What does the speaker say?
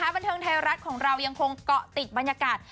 บันเทิงไทยรัฐของเรายังคงเกาะติดบรรยากาศ